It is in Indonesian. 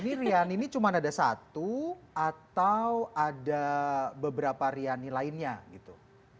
ini riani ini cuma ada satu atau ada beberapa riani lainnya gitu